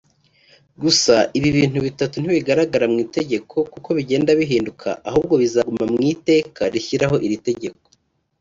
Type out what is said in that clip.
Gusa ibi bintu bitatu ntibigaragaramu itegeko kuko bigenda bihinduka ahubwo bizaguma mu iteka rishyiraho iri tegeko